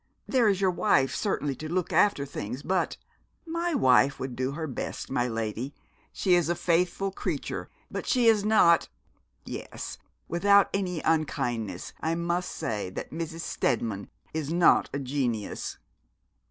There is your wife, certainly, to look after things, but ' 'My wife would do her best, my lady. She is a faithful creature, but she is not yes, without any unkindness I must say that Mrs. Steadman is not a genius!'